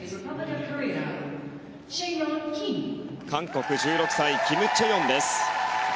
韓国、１６歳キム・チェヨンです。